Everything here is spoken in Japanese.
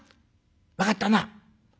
分かったな。